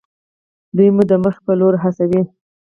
دوی مو د موخې په لور هڅوي.